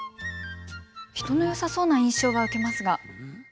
人のよさそうな印象は受けますが。